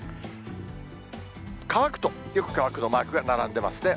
乾くとよく乾くのマークが並んでますね。